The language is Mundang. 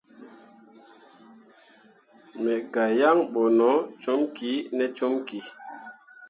Me gah yan bo no com kine comki.